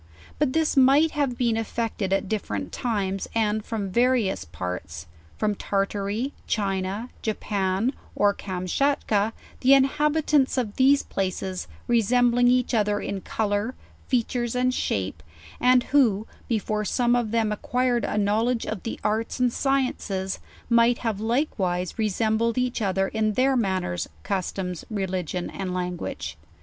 But this might have been effected at different times, and from various parts: from Tartary, China, Japan, or Kamchatka, the inhabitants of these places re sembling each other in color, features and shape; and who, before some of them acquired a knowledge of the arts and sciences, might have likewise resembled each other in their manners, customs, religion, and language.